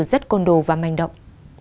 rất côn đồ và manh động